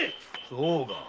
そうか。